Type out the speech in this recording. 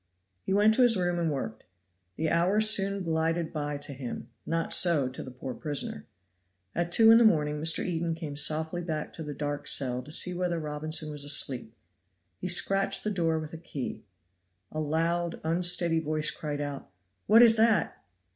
He went to his room and worked. The hour soon glided by to him; not so to the poor prisoner. At two in the morning Mr. Eden came softly back to the dark cell to see whether Robinson was asleep. He scratched the door with a key. A loud, unsteady voice cried out, "What is that?"